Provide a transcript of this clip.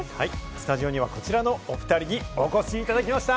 スタジオには、こちらのお２人にお越しいただきました。